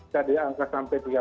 jadi angka sampul